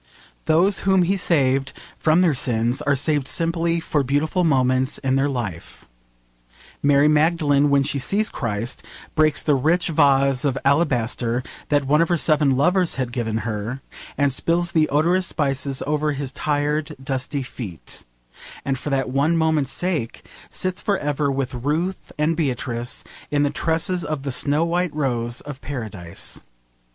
Those whom he saved from their sins are saved simply for beautiful moments in their lives. Mary Magdalen, when she sees Christ, breaks the rich vase of alabaster that one of her seven lovers had given her, and spills the odorous spices over his tired dusty feet, and for that one moment's sake sits for ever with Ruth and Beatrice in the tresses of the snow white rose of Paradise.